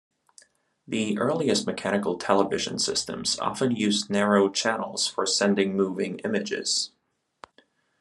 The earliest mechanical television systems often used narrow channels for sending moving images.